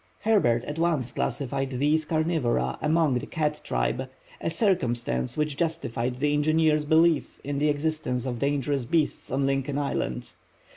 Herbert at once classified these carnivora among the cat tribe, a circumstance which justified the engineer's belief in the existence of dangerous beasts on Lincoln Island.